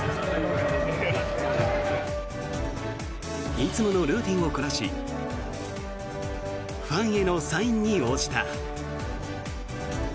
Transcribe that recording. いつものルーチンをこなしファンへのサインに応じた。